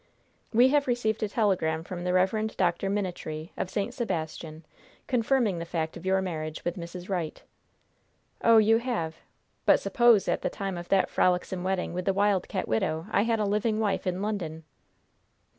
"We have received a telegram from the Rev. Dr. Minitree, of St. Sebastian, confirming the fact of your marriage with Mrs. Wright." "Oh, you have? But suppose at the time of that frolicsome wedding with the Wild Cat widow I had a living wife in London?"